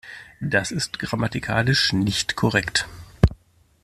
Das ist grammatikalisch nicht korrekt.